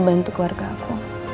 selama bantu keluarga aku